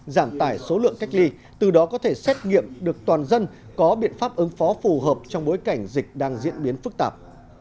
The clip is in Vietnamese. giảm tải số lượng cách ly từ đó có thể xét nghiệm được toàn dân có biện pháp ứng phó phù hợp trong bối cảnh dịch đang diễn biến phức tạp